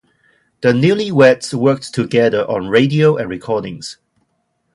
The newlyweds worked together on radio and recordings.